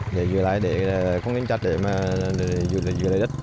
để giữ lại để không nên chạch để mà giữ lại đất